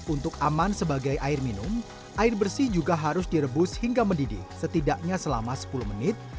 untuk aman sebagai air minum air bersih juga harus direbus hingga mendidih setidaknya selama sepuluh menit